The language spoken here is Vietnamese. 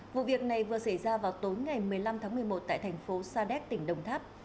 vụ việc này vừa xảy ra vào tối ngày một mươi năm tháng một mươi một tại thành phố sa đéc tỉnh đồng tháp